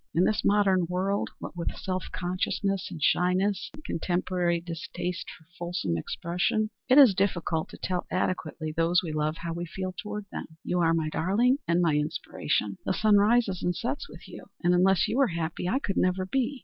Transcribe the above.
In this modern world, what with self consciousness, and shyness and contemporary distaste for fulsome expression, it is difficult to tell adequately those we love how we feel toward them. You are my darling and my inspiration. The sun rises and sets with you, and unless you were happy, I could never be.